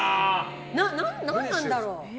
何なんだろう？